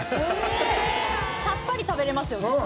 さっぱり食べれますよね。